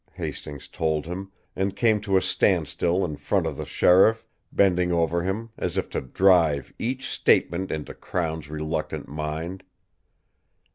Hastings told him, and came to a standstill in front of the sheriff, bending over him, as if to drive each statement into Crown's reluctant mind.